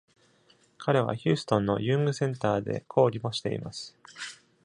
彼はヒューストンのユングセンターで講義もしています。